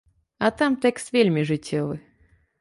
А там тэкст вельмі жыццёвы.